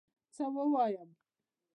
څه ووایم